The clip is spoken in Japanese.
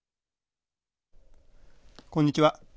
こんにちは。